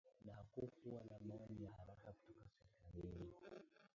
na hakukuwa na maoni ya haraka kutoka serikalini